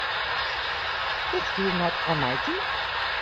Is he not almighty?